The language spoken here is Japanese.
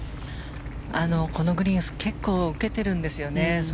このグリーン結構受けてるんですよね。